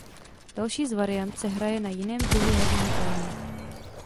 Další z variant se hraje na jiném druhu herního plánu.